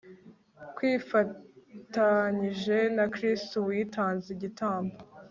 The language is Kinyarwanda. twifatanyije na kristu witanzeho igitambo